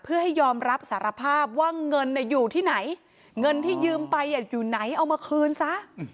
เพื่อให้ยอมรับสารภาพว่าเงินอยู่ที่ไหนเงินที่ยืมไปอยู่ไหนเอามาคืนซะ